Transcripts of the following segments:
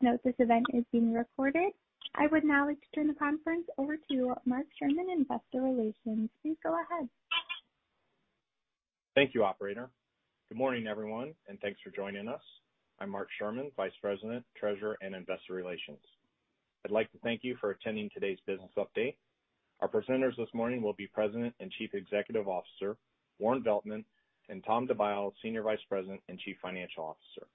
Please note this event is being recorded. I would now like to turn the conference over to Mark Sherman, Investor Relations. Please go ahead. Thank you, Operator. Good morning, everyone, and thanks for joining us. I'm Mark Sherman, Vice President, Treasurer and Investor Relations. I'd like to thank you for attending today's Business Update. Our presenters this morning will be President and Chief Executive Officer Warren Veltman and Tom Dabao, Senior Vice President and Chief Financial Officer.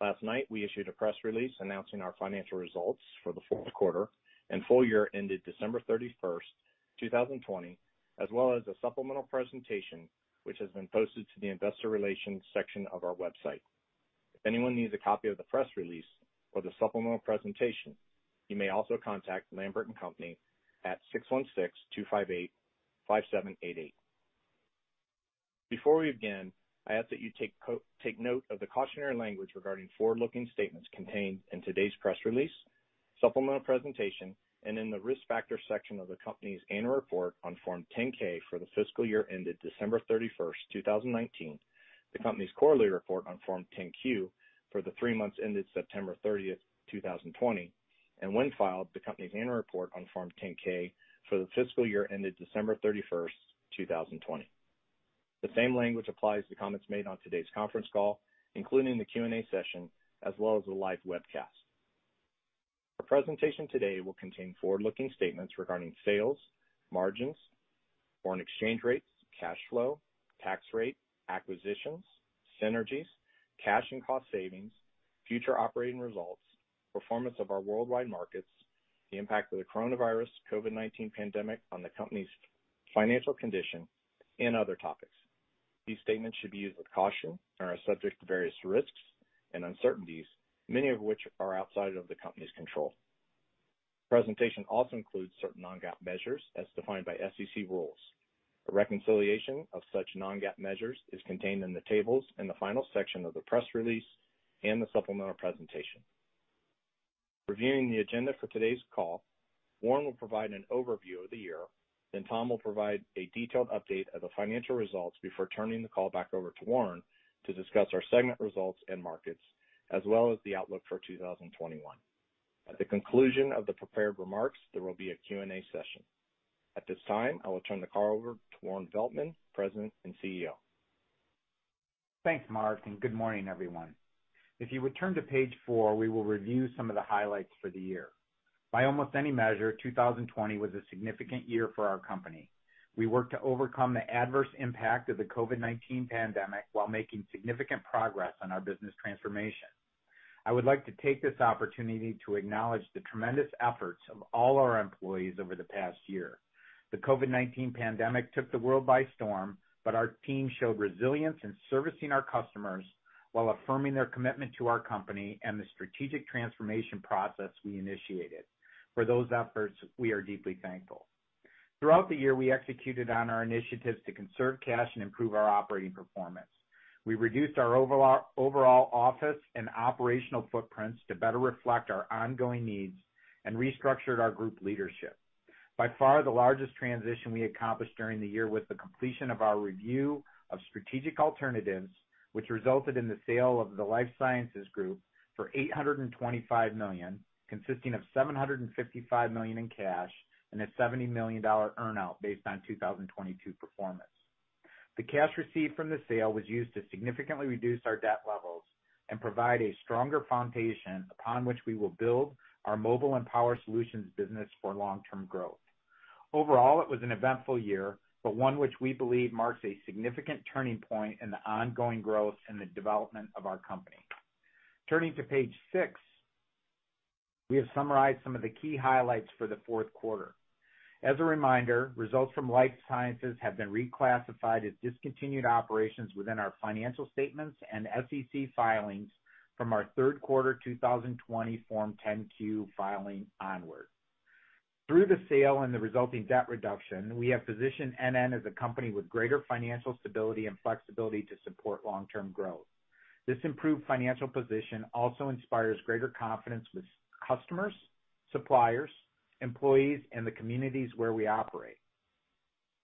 Last night, we issued a press release announcing our Financial Results for the Fourth Quarter, and full year ended December 31st 2020, as well as a supplemental presentation, which has been posted to the Investor Relations section of our website. If anyone needs a copy of the press release or the supplemental presentation, you may also contact Lambert & Company at 616-258-5788. Before we begin, I ask that you take note of the cautionary language regarding forward-looking statements contained in today's press release, supplemental presentation, and in the risk factor section of the Company's Annual Report on Form 10-K for the Fiscal Year ended December 31st 2019, the company's quarterly report on Form 10-Q for the three months ended September 30th 2020, and when filed, the Company's Annual Report on Form 10-K for the Fiscal Year ended December 31st 2020. The same language applies to the comments made on today's conference call, including the Q&A session, as well as the live webcast. Our presentation today will contain forward-looking statements regarding Sales, Margins, Foreign Exchange Rates, Cash Flow, Tax Rate, Acquisitions, Synergies, Cash and Cost Savings, Future Operating Results, Performance of Our Worldwide Markets, the Impact of the Coronavirus, COVID-19 Pandemic on the Company's Financial Condition, and other topics. These statements should be used with caution and are subject to various risks and uncertainties, many of which are outside of the Company's Control. The presentation also includes certain non-GAAP measures as defined by SEC Rules. A reconciliation of such non-GAAP measures is contained in the tables in the final section of the press release and the supplemental presentation. Reviewing the agenda for today's call, Warren will provide an overview of the year, then Tom will provide a detailed update of the Financial Results before turning the call back over to Warren to discuss our segment results and markets, as well as the Outlook for 2021. At the conclusion of the prepared remarks, there will be a Q&A session. At this time, I will turn the call over to Warren Veltman, President and CEO. Thanks, Mark, and good morning, everyone. If you would turn to page four, we will review some of the highlights for the year. By almost any measure, 2020 was a significant year for our company. We worked to overcome the adverse impact of the COVID-19 Pandemic while making significant progress on our business transformation. I would like to take this opportunity to acknowledge the tremendous efforts of all our employees over the past year. The COVID-19 pandemic took the world by storm, but our team showed resilience in servicing our customers while affirming their commitment to our company and the strategic transformation process we initiated. For those efforts, we are deeply thankful. Throughout the year, we executed on our initiatives to conserve cash and improve our operating performance. We reduced our overall office and operational footprints to better reflect our ongoing needs and restructured our group leadership. By far, the largest transition we accomplished during the year was the completion of our review of strategic alternatives, which resulted in the sale of the Life Sciences Group for $825 million, consisting of $755 million in cash and a $70 million earnout based on 2022 performance. The cash received from the sale was used to significantly reduce our debt levels and provide a stronger foundation upon which we will build our Mobile and Power Solutions Business for long-term growth. Overall, it was an eventful year, but one which we believe marks a significant turning point in the ongoing growth and the development of our company. Turning to page six, we have summarized some of the key highlights for the fourth quarter. As a reminder, results from Life Sciences have been reclassified as discontinued operations within our Financial Statements and SEC Filings from our Q3 2020 Form 10-Q filing onward. Through the sale and the resulting debt reduction, we have positioned NN as a company with greater financial stability and flexibility to support long-term growth. This improved financial position also inspires greater confidence with customers, suppliers, employees, and the communities where we operate.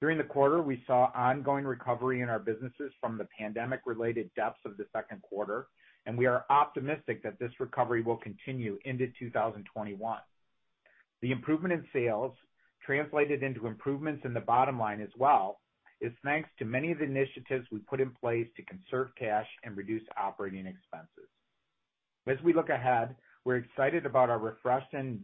During the quarter, we saw ongoing recovery in our businesses from the pandemic-related depths of the Q2, and we are optimistic that this recovery will continue into 2021. The improvement in sales, translated into improvements in the bottom line as well, is thanks to many of the initiatives we put in place to conserve cash and reduce operating expenses. As we look ahead, we're excited about our refreshed and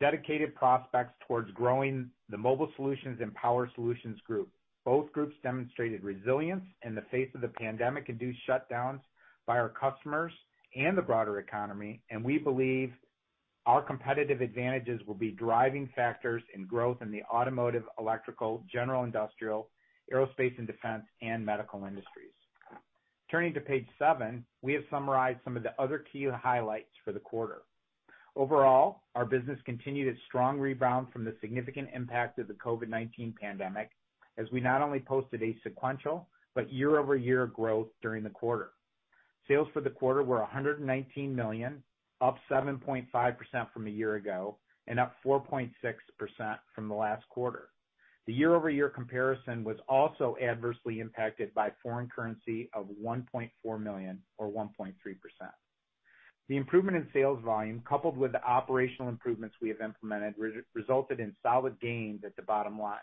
dedicated prospects towards growing the mobile solutions and power solutions group. Both groups demonstrated resilience in the face of the pandemic-induced shutdowns by our customers and the broader economy, and we believe our competitive advantages will be driving factors in growth in the automotive, electrical, general industrial, aerospace and defense, and medical industries. Turning to page seven, we have summarized some of the other key highlights for the quarter. Overall, our business continued its strong rebound from the significant impact of the COVID-19 Pandemic, as we not only posted a sequential but year-over-year growth during the quarter. Sales for the quarter were $119 million, up 7.5% from a year ago and up 4.6% from the last quarter. The year-over-year comparison was also adversely impacted by Foreign Currency of $1.4 million, or 1.3%. The improvement in sales volume, coupled with the operational improvements we have implemented, resulted in solid gains at the bottom line.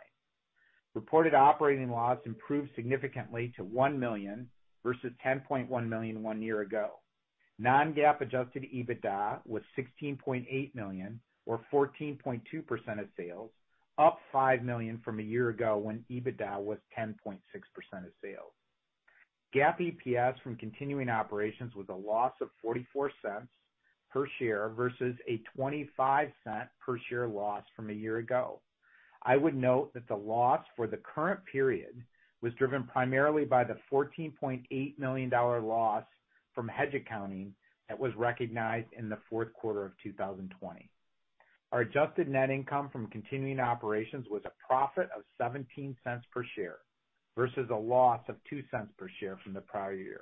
Reported operating loss improved significantly to $1 million versus $10.1 million one year ago. Non-GAAP adjusted EBITDA was $16.8 million, or 14.2% of sales, up $5 million from a year ago when EBITDA was 10.6% of sales. GAAP EPS from continuing operations was a loss of $0.44 per share versus a $0.25 per share loss from a year ago. I would note that the loss for the current period was driven primarily by the $14.8 million loss from hedge accounting that was recognized in the Q4 of 2020. Our adjusted net income from continuing operations was a profit of $0.17 per share versus a loss of $0.02 per share from the prior year.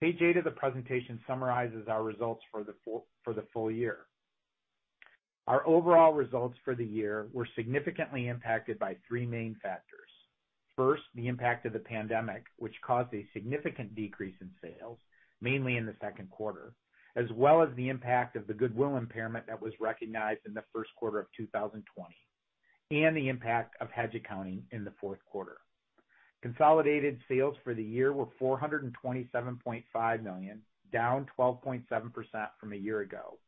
Page eight of the presentation summarizes our results for the full year. Our overall results for the year were significantly impacted by three main factors. First, the impact of the pandemic, which caused a significant decrease in sales, mainly in the Q2, as well as the impact of the goodwill impairment that was recognized in the Q1 of 2020, and the impact of hedge accounting in the fourth quarter. Consolidated sales for the year were $427.5 million, down 12.7% from a year ago.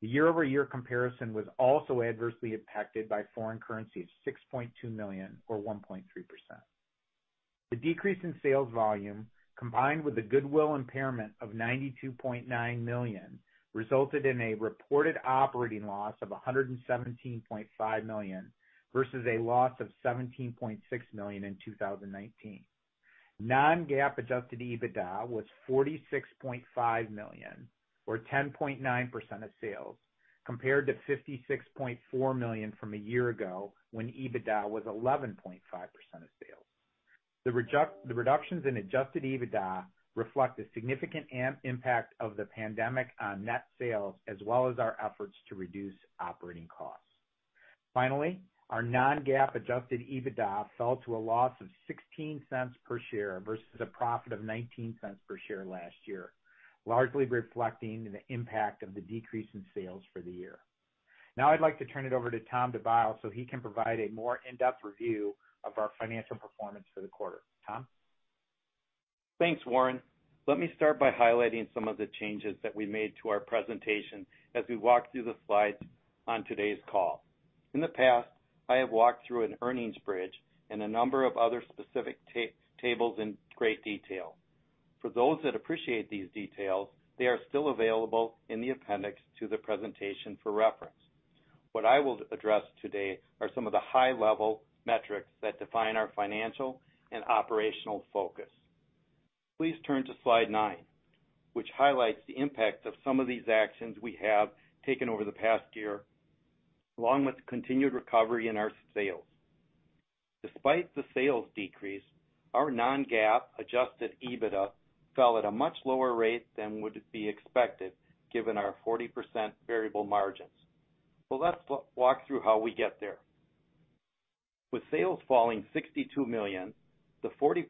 The year-over-year comparison was also adversely impacted by Foreign Currency of $6.2 million, or 1.3%. The decrease in sales volume, combined with the goodwill impairment of $92.9 million, resulted in a reported operating loss of $117.5 million versus a loss of $17.6 million in 2019. Non-GAAP adjusted EBITDA was $46.5 million, or 10.9% of sales, compared to $56.4 million from a year ago when EBITDA was 11.5% of sales. The reductions in adjusted EBITDA reflect the significant impact of the pandemic on Net Sales, as well as our efforts to reduce operating costs. Finally, our non-GAAP adjusted EBITDA fell to a loss of $0.16 per share versus a profit of $0.19 per share last year, largely reflecting the impact of the decrease in sales for the year. Now, I'd like to turn it over to Tom Dabao so he can provide a more in-depth review of our financial performance for the quarter. Tom? Thanks, Warren. Let me start by highlighting some of the changes that we made to our presentation as we walk through the slides on today's call. In the past, I have walked through an earnings bridge and a number of other specific tables in great detail. For those that appreciate these details, they are still available in the appendix to the presentation for reference. What I will address today are some of the high-level metrics that define our financial and operational focus. Please turn to slide 9, which highlights the impact of some of these actions we have taken over the past year, along with continued recovery in our sales. Despite the sales decrease, our non-GAAP adjusted EBITDA fell at a much lower rate than would be expected, given our 40% variable margins. Let's walk through how we get there. With sales falling $62 million, the 40%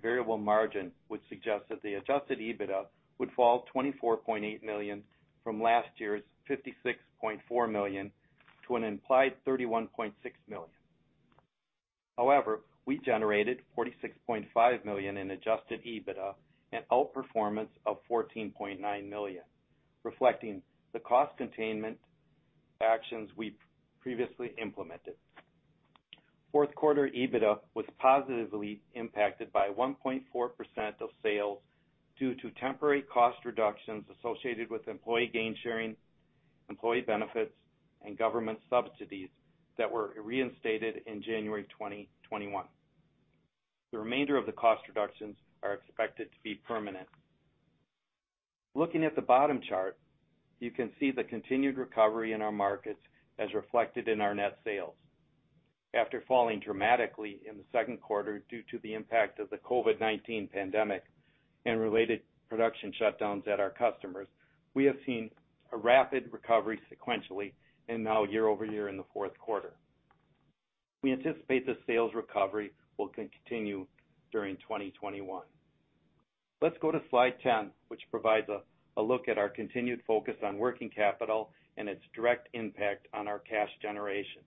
variable margin would suggest that the adjusted EBITDA would fall $24.8 million from last year's $56.4 million to an implied $31.6 million. However, we generated $46.5 million in adjusted EBITDA and outperformance of $14.9 million, reflecting the cost containment actions we previously implemented. Q4 EBITDA was positively impacted by 1.4% of sales due to temporary cost reductions associated with employee gain sharing, employee benefits, and government subsidies that were reinstated in January 2021. The remainder of the cost reductions are expected to be permanent. Looking at the bottom chart, you can see the continued recovery in our markets as reflected in our net sales. After falling dramatically in the second quarter due to the impact of the COVID-19 Pandemic and related production shutdowns at our customers, we have seen a rapid recovery sequentially and now year-over-year in the Q4. We anticipate the sales recovery will continue during 2021. Let's go to slide 10, which provides a look at our continued focus on working capital and its direct impact on our cash generation.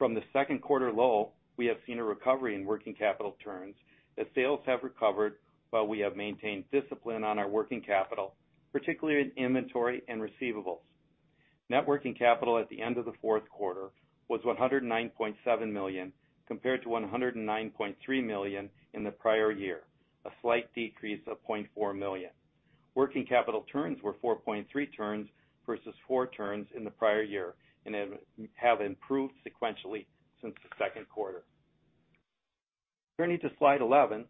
From the Q2 low, we have seen a recovery in working capital turns. The sales have recovered, but we have maintained discipline on our working capital, particularly in inventory and receivables. Net Working Capital at the end of the Q4 was $109.7 million compared to $109.3 million in the prior year, a slight decrease of $0.4 million. Working capital turns were 4.3 turns versus 4 turns in the prior year and have improved sequentially since the Q2. Turning to slide 11,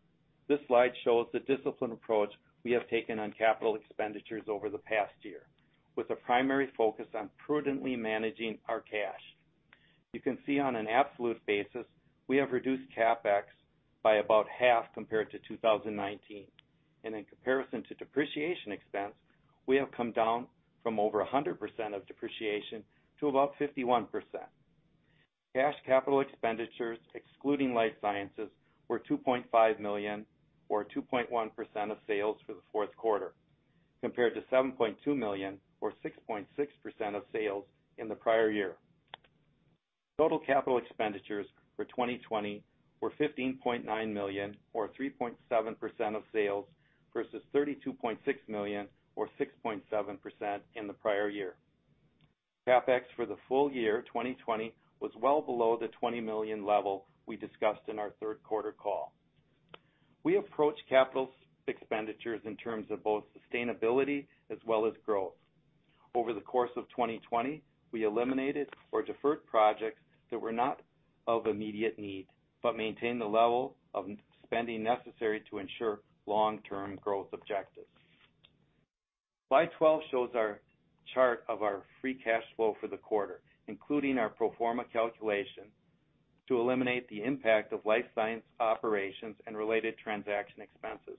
this slide shows the discipline approach we have taken on Capital Expenditures over the past year, with a primary focus on prudently managing our cash. You can see on an absolute basis, we have reduced CapEx by about half compared to 2019. In comparison to depreciation expense, we have come down from over 100% of depreciation to about 51%. Cash Capital Expenditures, excluding Life Sciences, were $2.5 million, or 2.1% of sales for the Q4, compared to $7.2 million, or 6.6% of sales in the prior year. Total capital expenditures for 2020 were $15.9 million, or 3.7% of sales, versus $32.6 million, or 6.7% in the prior year. CapEx for the full year 2020 was well below the $20 million level we discussed in our third quarter call. We approach capital expenditures in terms of both sustainability as well as growth. Over the course of 2020, we eliminated or deferred projects that were not of immediate need but maintained the level of spending necessary to ensure long-term growth objectives. Slide 12 shows our chart of our free cash flow for the quarter, including our Pro-Forma Calculation to eliminate the impact of life science operations and related transaction expenses.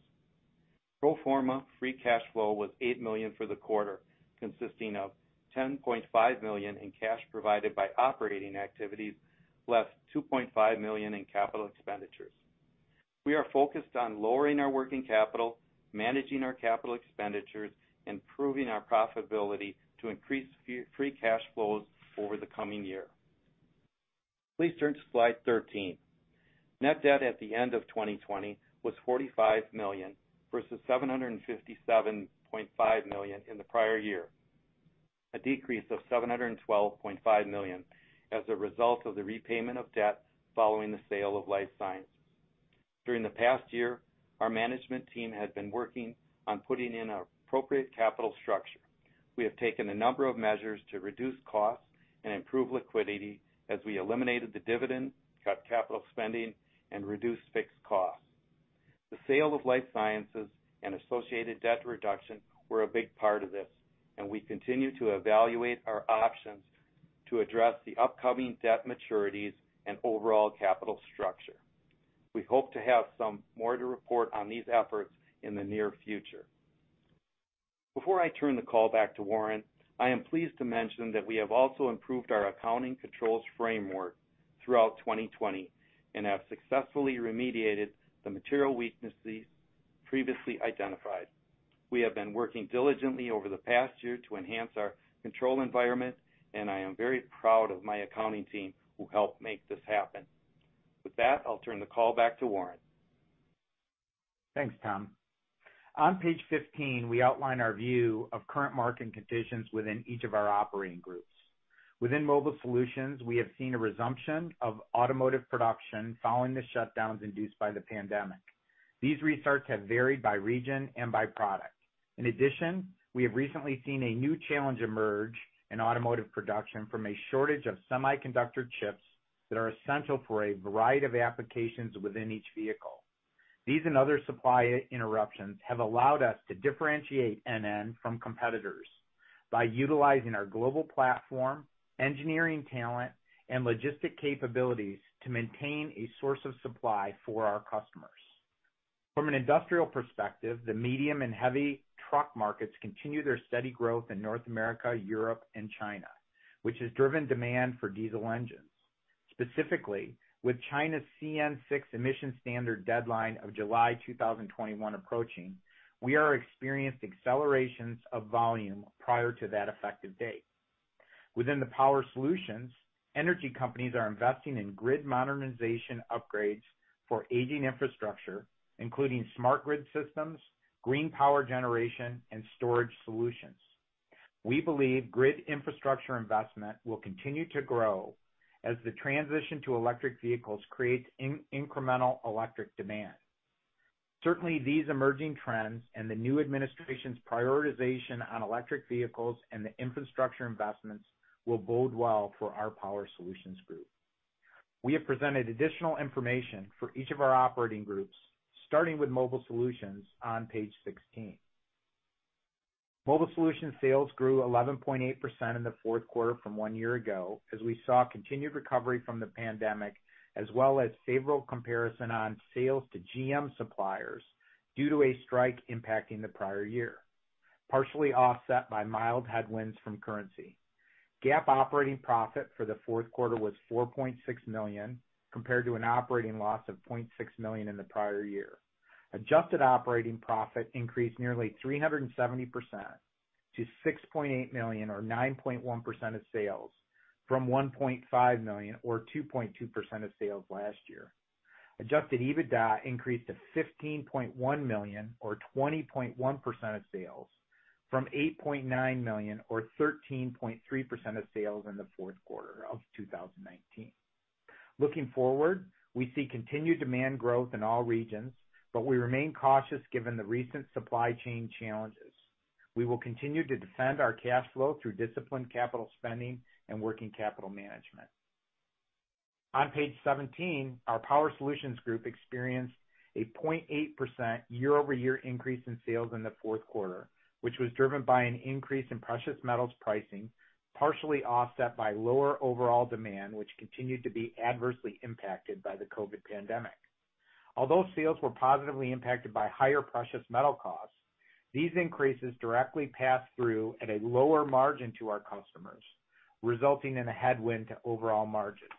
Pro-Forma free cash flow was $8 million for the quarter, consisting of $10.5 million in cash provided by operating activities, plus $2.5 million in Capital Expenditures. We are focused on lowering our working capital, managing our capital expenditures, and improving our profitability to increase free cash flows over the coming year. Please turn to slide 13. Net Debt at the end of 2020 was $45 million versus $757.5 million in the prior year, a decrease of $712.5 million as a result of the repayment of debt following the sale of life sciences. During the past year, our management team had been working on putting in an appropriate capital structure. We have taken a number of measures to reduce costs and improve liquidity as we eliminated the dividend, cut capital spending, and reduced fixed costs. The sale of Life Sciences Group and associated debt reduction were a big part of this, and we continue to evaluate our options to address the upcoming debt maturities and Overall Capital Structure. We hope to have some more to report on these efforts in the near future. Before I turn the call back to Warren, I am pleased to mention that we have also improved our Accounting Controls Framework throughout 2020 and have successfully remediated the material weaknesses previously identified. We have been working diligently over the past year to enhance our control environment, and I am very proud of my accounting team who helped make this happen. With that, I'll turn the call back to Warren. Thanks, Tom. On page 15, we outline our view of current market conditions within each of our operating groups. Within mobile solutions, we have seen a resumption of automotive production following the shutdowns induced by the pandemic. These restarts have varied by region and by product. In addition, we have recently seen a new challenge emerge in Automotive Production from a shortage of semiconductor chips that are essential for a variety of applications within each vehicle. These and other supply interruptions have allowed us to differentiate NN from competitors by utilizing our Global Platform, Engineering Talent, and Logistic Capabilities to maintain a source of supply for our customers. From an industrial perspective, the medium and heavy truck markets continue their steady growth in North America, Europe, and China, which has driven demand for diesel engines. Specifically, with China's CN six emission standard deadline of July 2021 approaching, we are experiencing accelerations of volume prior to that effective date. Within the power solutions, energy companies are investing in grid modernization upgrades for aging infrastructure, including smart grid systems, green power generation, and storage solutions. We believe grid infrastructure investment will continue to grow as the transition to electric vehicles creates incremental electric demand. Certainly, these emerging trends and the new administration's prioritization on electric vehicles and the infrastructure investments will bode well for our power solutions group. We have presented additional information for each of our operating groups, starting with mobile solutions on page 16. Mobile Solutions sales grew 11.8% in the fourth quarter from one year ago, as we saw continued recovery from the pandemic, as well as favorable comparison on sales to GM suppliers due to a strike impacting the prior year, partially offset by mild headwinds from currency. GAAP operating profit for the Q4 was $4.6 million compared to an operating loss of $0.6 million in the prior year. Adjusted operating profit increased nearly 370% to $6.8 million, or 9.1% of sales, from $1.5 million or 2.2% of sales last year. Adjusted EBITDA increased to $15.1 million, or 20.1% of sales, from $8.9 million or 13.3% of sales in the fourth quarter of 2019. Looking forward, we see continued demand growth in all regions, but we remain cautious given the recent supply chain challenges. We will continue to defend our cash flow through disciplined capital spending and working capital management. On page 17, our Power Solutions Group experienced a 0.8% year-over-year increase in sales in the Q4, which was driven by an increase in precious metals pricing, partially offset by lower overall demand, which continued to be adversely impacted by the COVID pandemic. Although sales were positively impacted by higher precious metal costs, these increases directly passed through at a lower margin to our customers, resulting in a headwind to overall margins.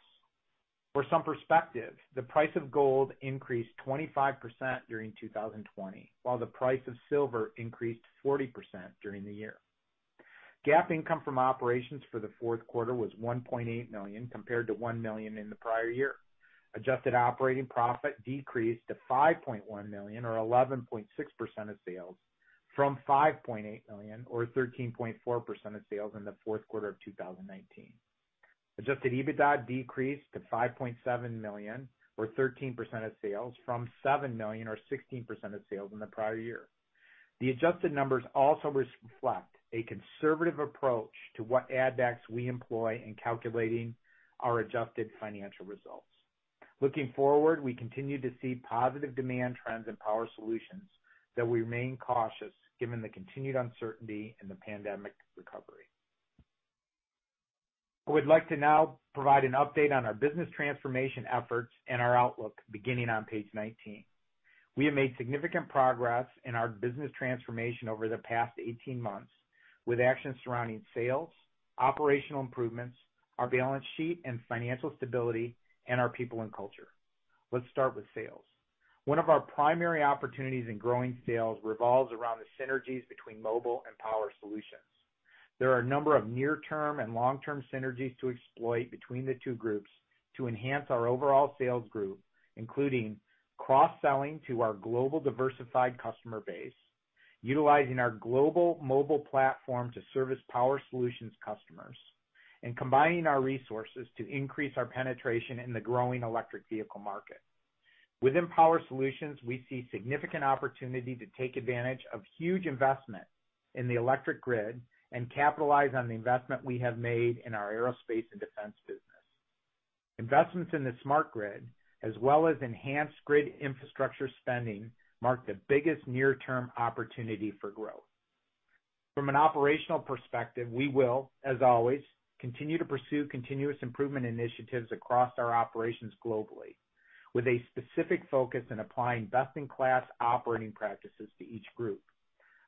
For some perspective, the price of gold increased 25% during 2020, while the price of silver increased 40% during the year. GAAP income from operations for the Q4 was $1.8 million compared to $1 million in the prior year. Adjusted operating profit decreased to $5.1 million, or 11.6% of sales, from $5.8 million, or 13.4% of sales in the Q4 of 2019. Adjusted EBITDA decreased to $5.7 million, or 13% of sales, from $7 million, or 16% of sales in the prior year. The adjusted numbers also reflect a conservative approach to what add-backs we employ in calculating our adjusted financial results. Looking forward, we continue to see positive demand trends in power solutions, though we remain cautious given the continued uncertainty in the pandemic recovery. I would like to now provide an update on our business transformation efforts and our outlook beginning on page nineteen. We have made significant progress in our business transformation over the past eighteen months, with actions surrounding sales, operational improvements, our balance sheet and financial stability, and our people and culture. Let's start with sales. One of our primary opportunities in growing sales revolves around the synergies between mobile and power solutions. There are a number of near-term and long-term synergies to exploit between the two groups to enhance our overall sales group, including cross-selling to our global diversified customer base, utilizing our global mobile platform to service power solutions customers, and combining our resources to increase our penetration in the growing electric vehicle market. Within power solutions, we see significant opportunity to take advantage of huge investment in the electric grid and capitalize on the investment we have made in our aerospace and defense business. Investments in the smart grid, as well as enhanced grid infrastructure spending, mark the biggest near-term opportunity for growth. From an operational perspective, we will, as always, continue to pursue continuous improvement initiatives across our operations globally, with a specific focus in applying best-in-class operating practices to each group.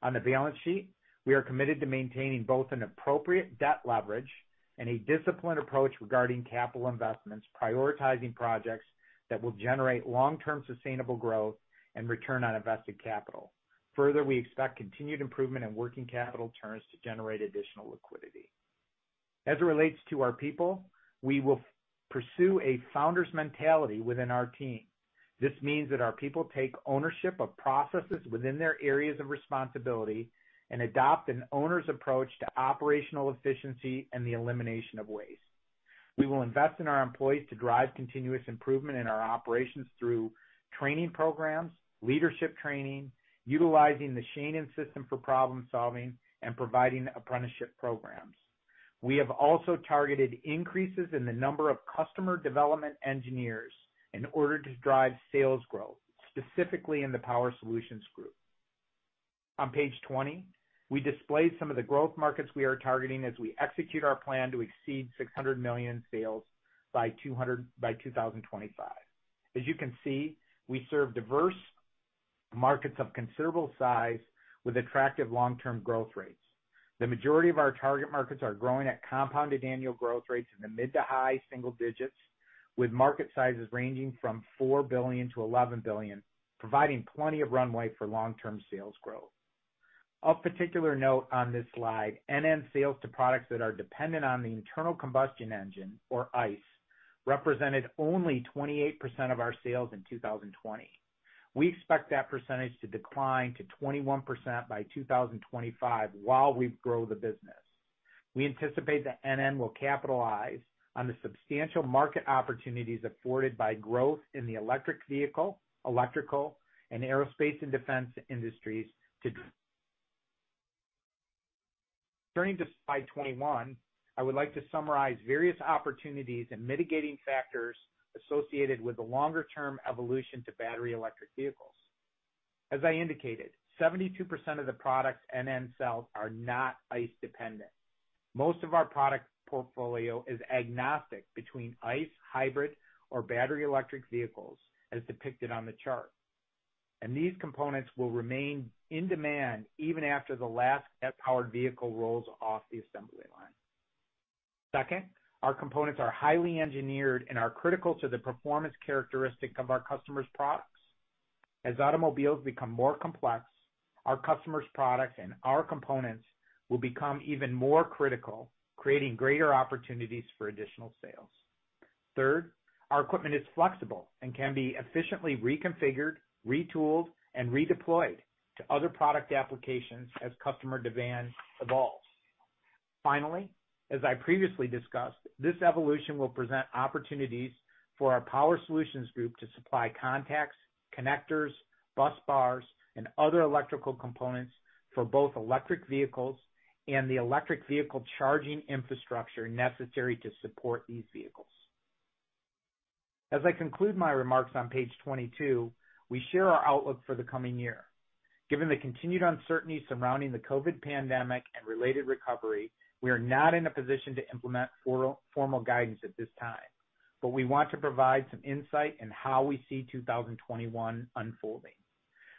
On the balance sheet, we are committed to maintaining both an appropriate debt leverage and a disciplined approach regarding capital investments, prioritizing projects that will generate long-term sustainable growth and return on invested capital. Further, we expect continued improvement in working capital turns to generate additional liquidity. As it relates to our people, we will pursue a founder's mentality within our team. This means that our people take ownership of processes within their areas of responsibility and adopt an owner's approach to operational efficiency and the elimination of waste. We will invest in our employees to drive continuous improvement in our operations through training programs, leadership training, utilizing the Shannon System for problem-solving, and providing apprenticeship programs. We have also targeted increases in the number of customer development engineers in order to drive sales growth, specifically in the power solutions group. On page 20, we displayed some of the growth markets we are targeting as we execute our plan to exceed $600 million sales by 2025. As you can see, we serve diverse markets of considerable size with attractive Long-term Growth Rates. The majority of our target markets are growing at compounded annual growth rates in the mid to high single digits, with market sizes ranging from $4 billion-$11 billion, providing plenty of runway for long-term sales growth. Of particular note on this slide, NN sales to products that are dependent on the Internal Combustion Engine, or ICE, represented only 28% of our sales in 2020. We expect that percentage to decline to 21% by 2025 while we grow the business. We anticipate that NN will capitalize on the substantial market opportunities afforded by growth in the electric vehicle, electrical, and aerospace and defense industries. Turning to slide 21, I would like to summarize various opportunities and mitigating factors associated with the longer-term evolution to battery electric vehicles. As I indicated, 72% of the products NN sells are not ICE dependent. Most of our product portfolio is agnostic between ICE, hybrid, or battery electric vehicles, as depicted on the chart. These components will remain in demand even after the last powered vehicle rolls off the assembly line. Second, our components are highly engineered and are critical to the performance characteristics of our customers' products. As automobiles become more complex, our customers' products and our components will become even more critical, creating greater opportunities for additional sales. Third, our equipment is flexible and can be efficiently reconfigured, retooled, and redeployed to other product applications as customer demand evolves. Finally, as I previously discussed, this evolution will present opportunities for our power solutions group to supply contacts, connectors, bus bars, and other electrical components for both electric vehicles and the electric vehicle charging infrastructure necessary to support these vehicles. As I conclude my remarks on page twenty-two, we share our outlook for the coming year. Given the continued uncertainty surrounding the COVID pandemic and related recovery, we are not in a position to implement formal guidance at this time, but we want to provide some insight in how we see 2021 unfolding.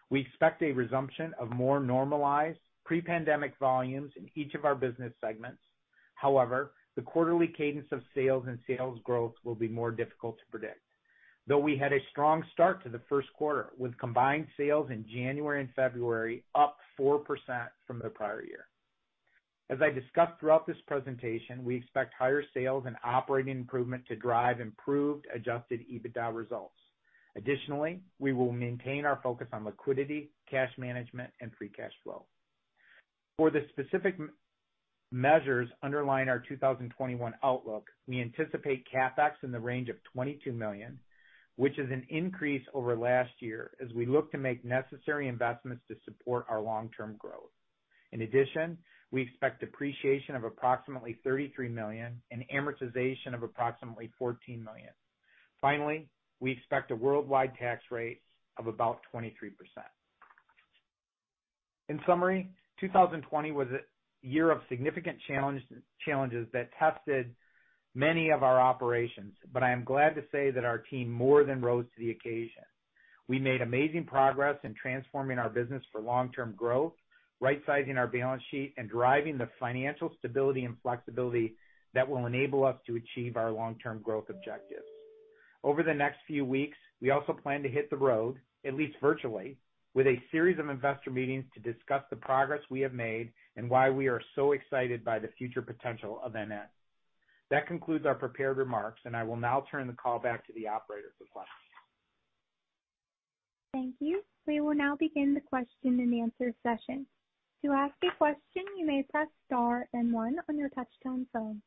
We expect a resumption of more normalized pre-pandemic volumes in each of our business segments. However, the quarterly cadence of sales and sales growth will be more difficult to predict, though we had a strong start to the first quarter with combined sales in January and February up 4% from the prior year. As I discussed throughout this presentation, we expect higher sales and operating improvement to drive improved adjusted EBITDA results. Additionally, we will maintain our focus on liquidity, cash management, and free cash flow. For the specific measures underlying our 2021 outlook, we anticipate CapEx in the range of $22 million, which is an increase over last year as we look to make necessary investments to support our long-term growth. In addition, we expect depreciation of approximately $33 million and amortization of approximately $14 million. Finally, we expect a worldwide tax rate of about 23%. In summary, 2020 was a year of significant challenges that tested many of our operations, but I am glad to say that our team more than rose to the occasion. We made amazing progress in transforming our business for long-term growth, right-sizing our balance sheet, and driving the financial stability and flexibility that will enable us to achieve our long-term growth objectives. Over the next few weeks, we also plan to hit the road, at least virtually, with a series of investor meetings to discuss the progress we have made and why we are so excited by the future potential of NN. That concludes our prepared remarks, and I will now turn the call back to the operators with questions. Thank you. We will now begin the question and answer session. To ask a question, you may press star then one on your touchtone phone.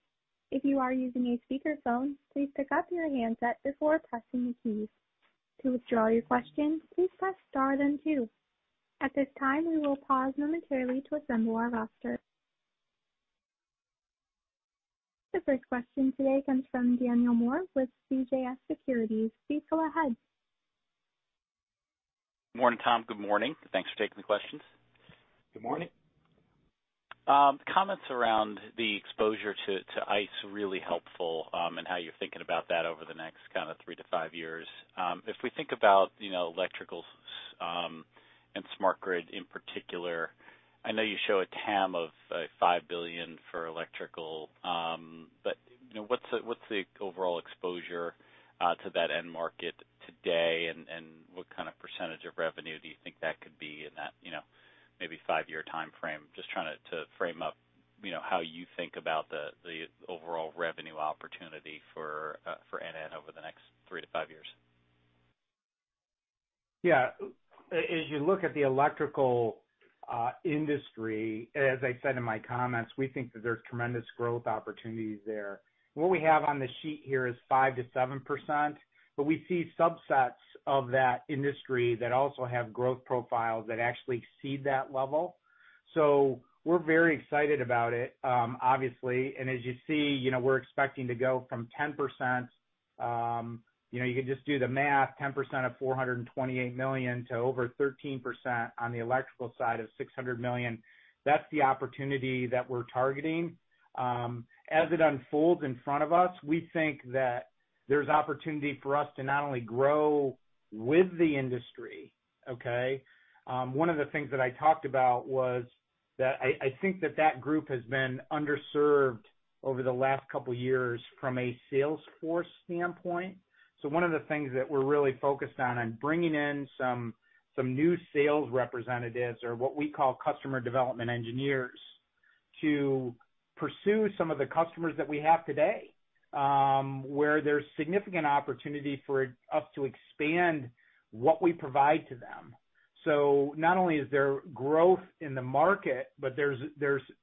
If you are using a speakerphone, please pick up your handset before pressing the keys. To withdraw your question, please press star then two. At this time, we will pause momentarily to assemble our roster. The first question today comes from Daniel Moore with CJS Securities. Please go ahead. Good morning, Tom. Good morning. Thanks for taking the questions. Good morning. Comments around the exposure to ICE are really helpful and how you're thinking about that over the next kind of three to five years. If we think about electrical and smart grid in particular, I know you show a TAM of $5 billion for electrical, but what's the overall exposure to that end market today, and what kind of percentage of revenue do you think that could be in that maybe five-year timeframe? Just trying to frame up how you think about the overall revenue opportunity for NN over the next three to five years. Yeah. As you look at the electrical industry, as I said in my comments, we think that there's tremendous growth opportunities there. What we have on the sheet here is 5-7%, but we see subsets of that industry that also have growth profiles that actually exceed that level. We are very excited about it, obviously. As you see, we are expecting to go from 10%—you can just do the math—10% of $428 million to over 13% on the electrical side of $600 million. That is the opportunity that we are targeting. As it unfolds in front of us, we think that there is opportunity for us to not only grow with the industry, okay? One of the things that I talked about was that I think that that group has been underserved over the last couple of years from a sales force standpoint. One of the things that we're really focused on is bringing in some new sales representatives or what we call customer development engineers to pursue some of the customers that we have today, where there's significant opportunity for us to expand what we provide to them. Not only is there growth in the market, but there's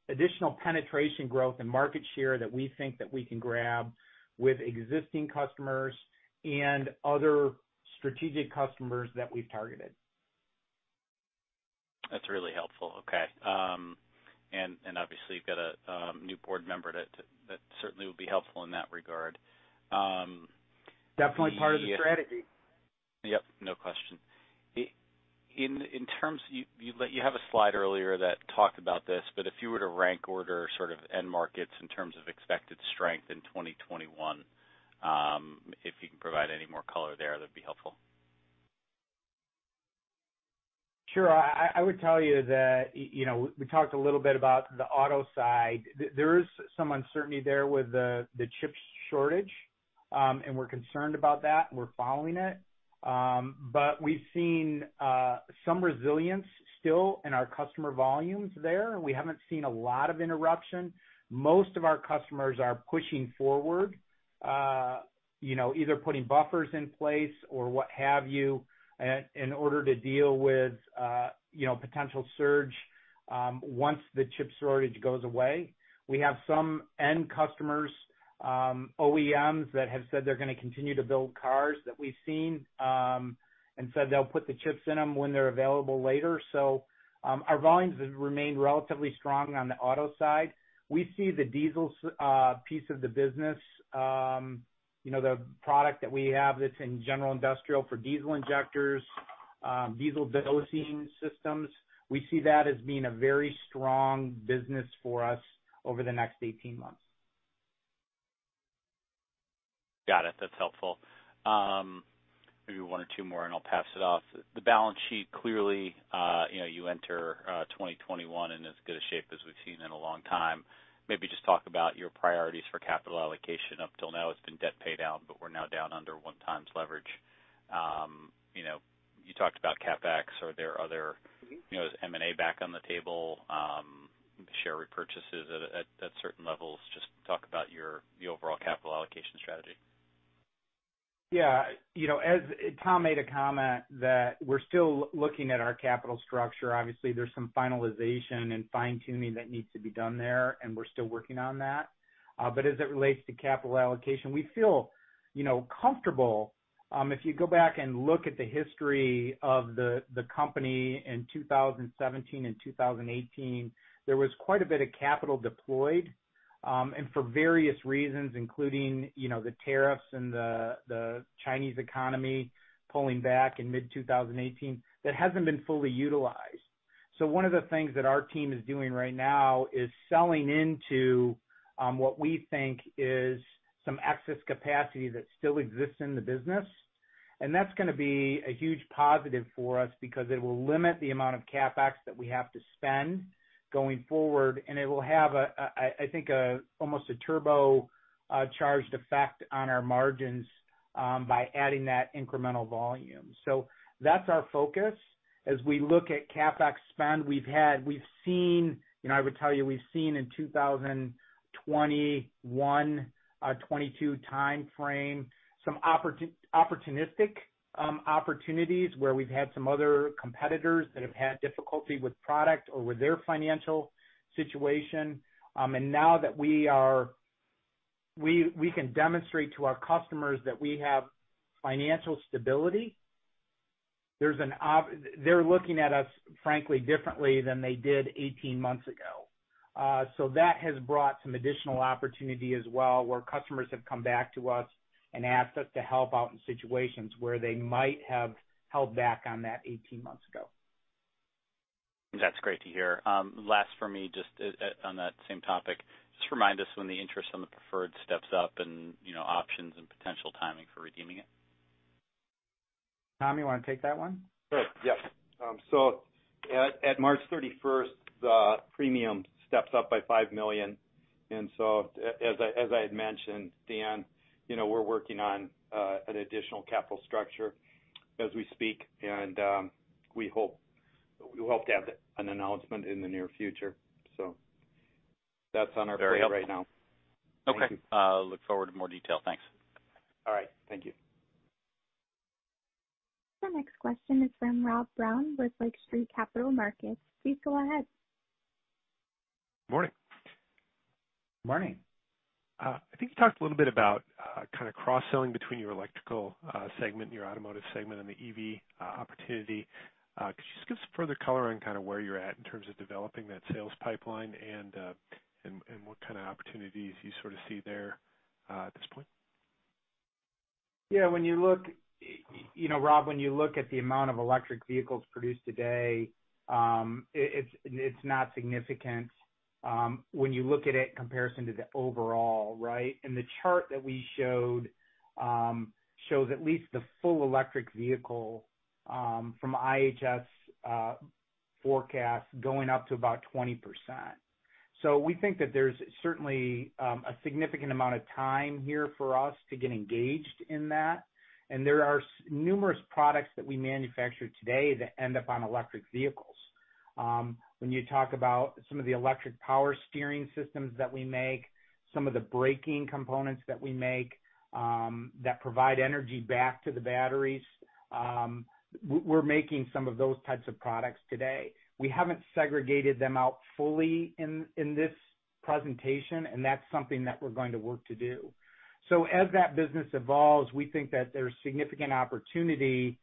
additional penetration growth and market share that we think that we can grab with existing customers and other strategic customers that we've targeted. That's really helpful. Okay. Obviously, you've got a new board member that certainly will be helpful in that regard. Definitely part of the strategy. Yep. No question. You have a slide earlier that talked about this, but if you were to rank order sort of end markets in terms of expected strength in 2021, if you can provide any more color there, that'd be helpful. Sure. I would tell you that we talked a little bit about the auto side. There is some uncertainty there with the chip shortage, and we're concerned about that. We're following it. We have seen some resilience still in our customer volumes there. We haven't seen a lot of interruption. Most of our customers are pushing forward, either putting buffers in place or what have you in order to deal with potential surge once the chip shortage goes away. We have some end customers, OEMs, that have said they're going to continue to build cars that we've seen and said they'll put the chips in them when they're available later. Our volumes have remained relatively strong on the auto side. We see the diesel piece of the business, the product that we have that's in general industrial for diesel injectors, diesel dosing systems. We see that as being a very strong business for us over the next 18 months. Got it. That's helpful. Maybe one or two more, and I'll pass it off. The balance sheet clearly, you enter 2021 in as good a shape as we've seen in a long time. Maybe just talk about your priorities for capital allocation. Up till now, it's been debt pay down, but we're now down under one-time's leverage. You talked about CapEx. Are there other—is M&A back on the table? Share repurchases at certain levels? Just talk about your overall capital allocation strategy. Yeah. As Tom made a comment, that we're still looking at our capital structure. Obviously, there's some finalization and fine-tuning that needs to be done there, and we're still working on that. As it relates to capital allocation, we feel comfortable. If you go back and look at the history of the company in 2017 and 2018, there was quite a bit of capital deployed, and for various reasons, including the tariffs and the Chinese economy pulling back in mid-2018, that has not been fully utilized. One of the things that our team is doing right now is selling into what we think is some excess capacity that still exists in the business. That is going to be a huge positive for us because it will limit the amount of CapEx that we have to spend going forward, and it will have, I think, almost a turbocharged effect on our margins by adding that incremental volume. That is our focus. As we look at CapEx spend, we've seen—I would tell you we've seen in 2021, 2022 timeframe, some opportunistic opportunities where we've had some other competitors that have had difficulty with product or with their financial situation. Now that we can demonstrate to our customers that we have financial stability, they're looking at us, frankly, differently than they did 18 months ago. That has brought some additional opportunity as well where customers have come back to us and asked us to help out in situations where they might have held back on that 18 months ago. That's great to hear. Last for me, just on that same topic, just remind us when the interest on the preferred steps up and options and potential timing for redeeming it. Tom, you want to take that one? Sure. Yep. At March 31, the premium steps up by $5 million. As I had mentioned, Dan, we're working on an additional capital structure as we speak, and we hope to have an announcement in the near future. That's on our plate right now. Very helpful. Okay. Look forward to more detail. Thanks. All right. Thank you. The next question is from Rob Brown with Lake Street Capital Markets. Please go ahead. Good morning. Good morning. I think you talked a little bit about kind of cross-selling between your electrical segment, your automotive segment, and the EV Opportunity. Could you just give us further color on kind of where you're at in terms of developing that sales pipeline and what kind of opportunities you sort of see there at this point? Yeah. When you look, Rob, when you look at the amount of electric vehicles produced today, it's not significant when you look at it in comparison to the overall, right? The chart that we showed shows at least the full electric vehicle from IHS forecast going up to about 20%. We think that there's certainly a significant amount of time here for us to get engaged in that. There are numerous products that we manufacture today that end up on electric vehicles. When you talk about some of the electric power steering systems that we make, some of the braking components that we make that provide energy back to the batteries, we're making some of those types of products today. We haven't segregated them out fully in this presentation, and that's something that we're going to work to do. As that business evolves, we think that there's significant opportunity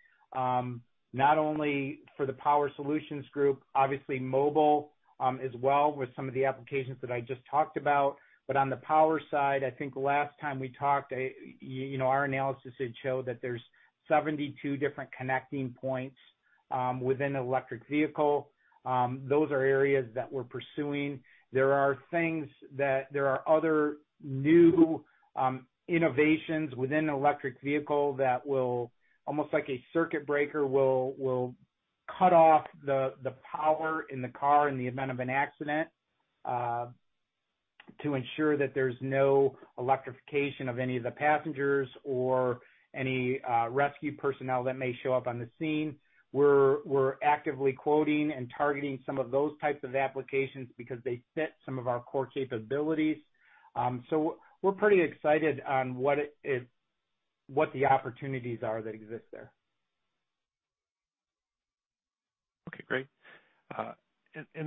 not only for the power solutions group, obviously mobile as well with some of the applications that I just talked about. On the power side, I think last time we talked, our analysis had shown that there's 72 different connecting points within electric vehicles. Those are areas that we're pursuing. There are things that there are other new innovations within electric vehicles that will almost like a circuit breaker will cut off the power in the car in the event of an accident to ensure that there's no electrification of any of the passengers or any rescue personnel that may show up on the scene. We're actively quoting and targeting some of those types of applications because they fit some of our core capabilities. We're pretty excited on what the opportunities are that exist there. Okay. Great.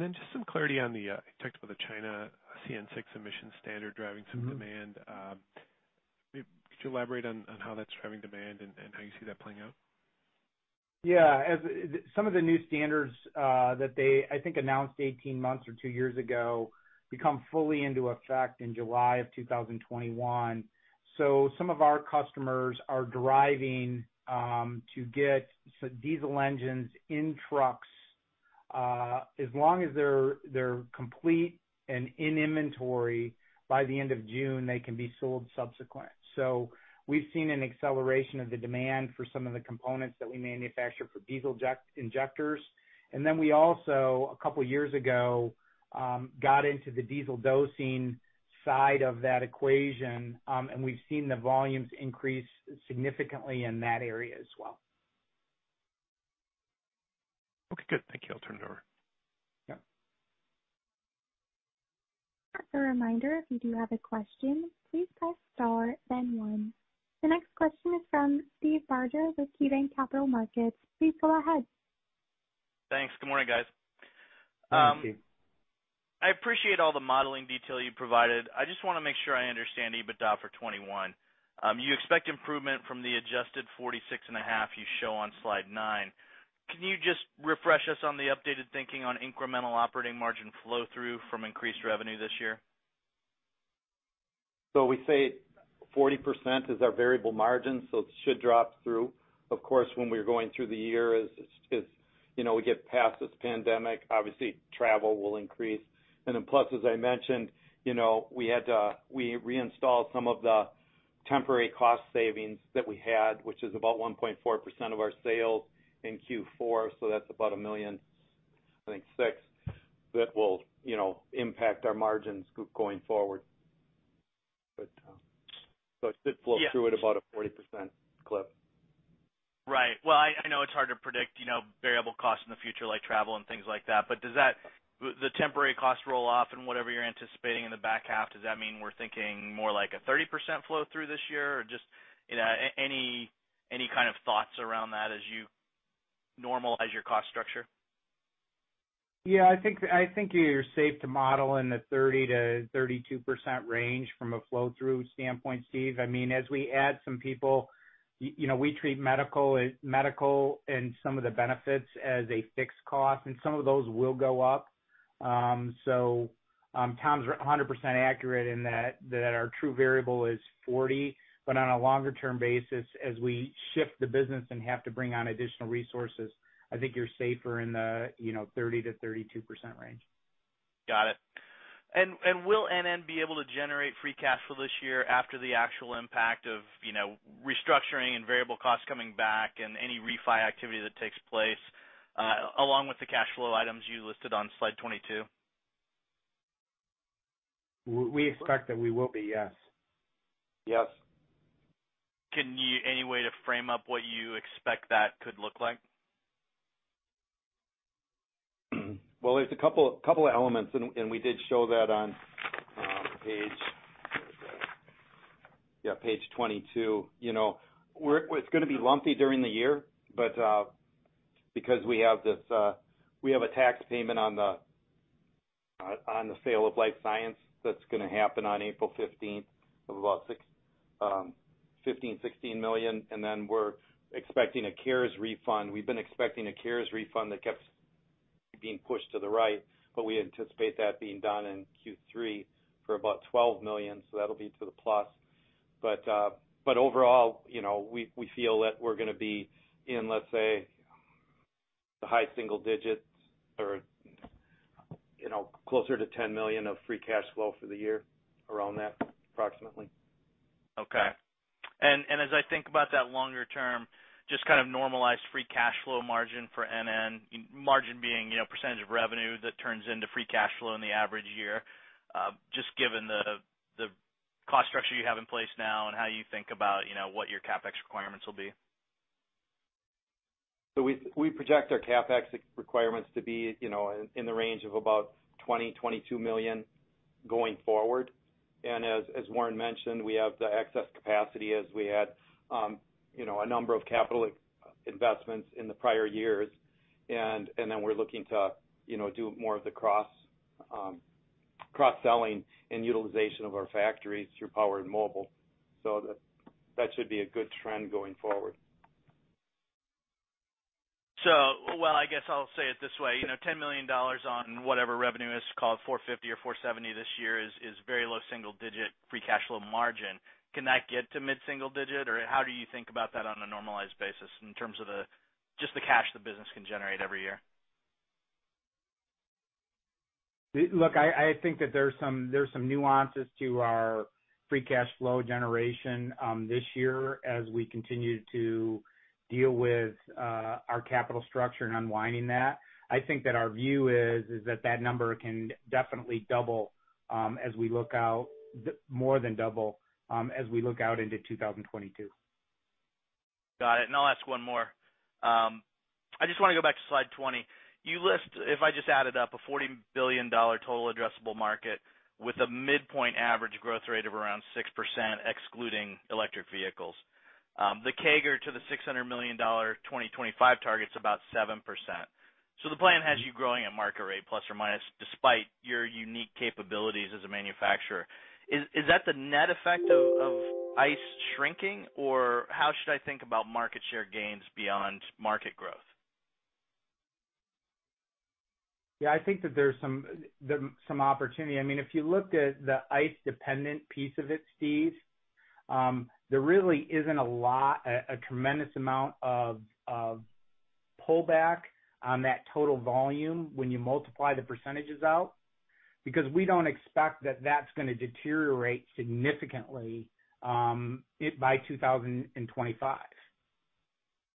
Just some clarity on the—you talked about the China CN six emission standard driving some demand. Could you elaborate on how that's driving demand and how you see that playing out? Yeah. Some of the new standards that they, I think, announced 18 months or two years ago become fully into effect in July of 2021. Some of our customers are driving to get diesel engines in trucks. As long as they're complete and in inventory by the end of June, they can be sold subsequently. We have seen an acceleration of the demand for some of the components that we manufacture for diesel injectors. We also, a couple of years ago, got into the diesel dosing side of that equation, and we have seen the volumes increase significantly in that area as well. Okay. Good. Thank you. I'll turn it over. Yep. As a reminder, if you do have a question, please press star then one. The next question is from Steve Barger with KeyBank Capital Markets. Please go ahead. Thanks. Good morning, guys. I appreciate all the modeling detail you provided. I just want to make sure I understand EBITDA for 2021. You expect improvement from the adjusted $46.5 you show on slide nine. Can you just refresh us on the updated thinking on incremental operating margin flow-through from increased revenue this year? We say 40% is our variable margin, so it should drop through. Of course, when we are going through the year as we get past this pandemic, obviously travel will increase. Plus, as I mentioned, we reinstalled some of the temporary cost savings that we had, which is about 1.4% of our sales in Q4. That's about $1 million, I think, six that will impact our margins going forward. It did flow through at about a 40% clip. Right. I know it's hard to predict variable costs in the future, like travel and things like that. Does that—the temporary cost roll-off and whatever you're anticipating in the back half, does that mean we're thinking more like a 30% flow-through this year or just any kind of thoughts around that as you normalize your cost structure? Yeah. I think you're safe to model in the 30-32% range from a flow-through standpoint, Steve. I mean, as we add some people, we treat medical and some of the benefits as a fixed cost, and some of those will go up. Tom's 100% accurate in that our true variable is 40. On a longer-term basis, as we shift the business and have to bring on additional resources, I think you're safer in the 30-32% range. Got it. Will NN be able to generate free cash flow this year after the actual impact of restructuring and variable costs coming back and any refi activity that takes place along with the cash flow items you listed on slide 22? We expect that we will be, yes. Yes. Any way to frame up what you expect that could look like? There's a couple of elements, and we did show that on page—yeah, page 22. It's going to be lumpy during the year, but because we have this—we have a tax payment on the sale of life science that's going to happen on April 15th of about $15-16 million. Then we're expecting a CARES refund. We've been expecting a CARES refund that kept being pushed to the right, but we anticipate that being done in Q3 for about $12 million. That'll be to the plus. Overall, we feel that we're going to be in, let's say, the high single digits or closer to $10 million of free cash flow for the year, around that, approximately. Okay. As I think about that longer-term, just kind of normalized free cash flow margin for NN, margin being percentage of revenue that turns into free cash flow in the average year, just given the cost structure you have in place now and how you think about what your CapEx requirements will be? We project our CapEx requirements to be in the range of about $20-$22 million going forward. As Warren mentioned, we have the excess capacity as we had a number of capital investments in the prior years. We are looking to do more of the cross-selling and utilization of our factories through Power and Mobile. That should be a good trend going forward. I guess I'll say it this way. $10 million on whatever revenue is called $450 or $470 this year is very low single digit free cash flow margin. Can that get to mid-single digit, or how do you think about that on a normalized basis in terms of just the cash the business can generate every year? Look, I think that there's some nuances to our free cash flow generation this year as we continue to deal with our capital structure and unwinding that. I think that our view is that that number can definitely double as we look out, more than double as we look out into 2022. Got it. I just want to go back to slide 20. You list, if I just added up, a $40 billion total addressable market with a midpoint average growth rate of around 6% excluding electric vehicles. The CAGR to the $600 million 2025 target is about 7%. The plan has you growing at market rate plus or minus despite your unique capabilities as a manufacturer. Is that the net effect of ICE shrinking, or how should I think about market share gains beyond market growth? Yeah. I think that there's some opportunity. I mean, if you look at the ICE-dependent piece of it, Steve, there really isn't a tremendous amount of pullback on that total volume when you multiply the percentages out because we don't expect that that's going to deteriorate significantly by 2025.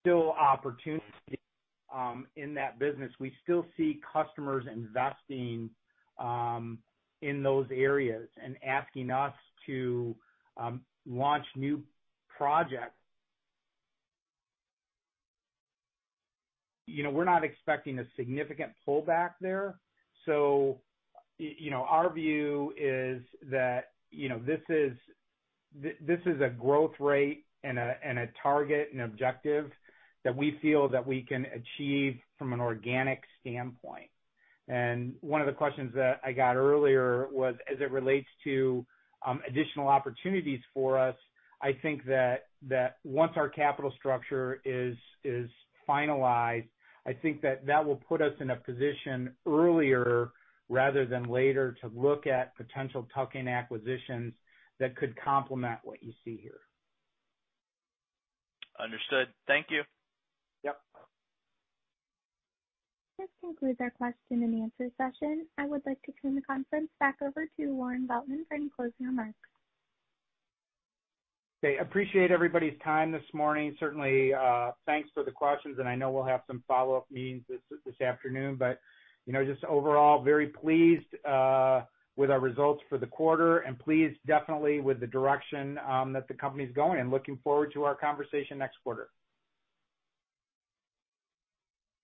Still opportunity in that business. We still see customers investing in those areas and asking us to launch new projects. We're not expecting a significant pullback there. Our view is that this is a growth rate and a target and objective that we feel that we can achieve from an organic standpoint. One of the questions that I got earlier was, as it relates to additional opportunities for us, I think that once our capital structure is finalized, I think that that will put us in a position earlier rather than later to look at potential tuck-in acquisitions that could complement what you see here. Understood. Thank you. Yep. This concludes our question and answer session. I would like to turn the conference back over to Warren Veltman for any closing remarks. Okay. I appreciate everybody's time this morning. Certainly, thanks for the questions. I know we'll have some follow-up meetings this afternoon. Just overall, very pleased with our results for the quarter and pleased definitely with the direction that the company's going and looking forward to our conversation next quarter.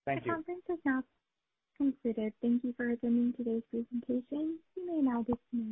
Thank you. Thank you. Thank you. Now, concluded, thank you for attending today's presentation. You may now disconnect.